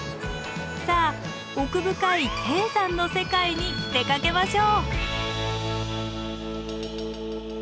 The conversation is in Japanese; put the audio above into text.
さあ奥深い低山の世界に出かけましょう。